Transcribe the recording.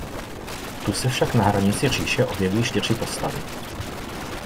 Tu se však na hranici říše objeví čtyři postavy.